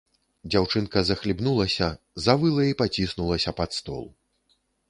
Дзяўчынка захлібнулася, завыла і паціснулася пад стол.